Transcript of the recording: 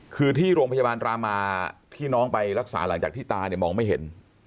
คือที่โรงพยาบาลรามาที่น้องไปรักษาหลังจากที่ตาเนี่ยมองไม่เห็น